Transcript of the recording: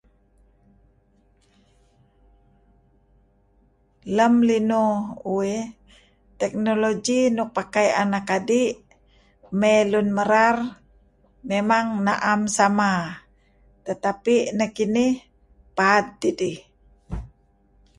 Lem linuh uih technology nuk pakai anak adi' mey lun merar memang na'em sama, tetapi nekinih paad tidih.